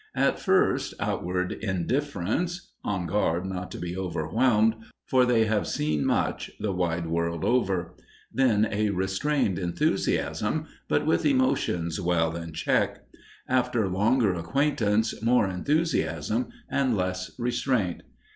At first, outward indifference on guard not to be overwhelmed, for they have seen much, the wide world over. Then a restrained enthusiasm, but with emotions well in check. After longer acquaintance, more enthusiasm and less restraint.